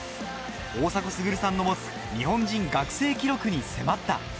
大迫傑さんの持つ日本人学生記録に迫った。